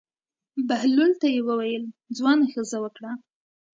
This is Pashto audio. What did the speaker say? بهلول ته یې وویل: ځوانه ښځه وکړه.